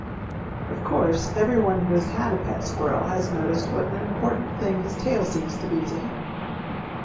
Of course every one who has had a pet squirrel has noticed what an important thing his tail seems to be to him.